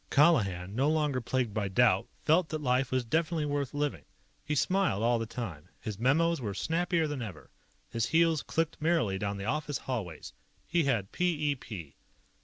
Colihan, no longer plagued by doubt, felt that life was definitely worth living. He smiled all the time. His memos were snappier than ever. His heels clicked merrily down the office hallways. He had p e p.